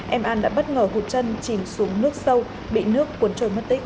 em an đã bất ngờ hụt chân chìm xuống nước sâu bị nước cuốn trôi mất tích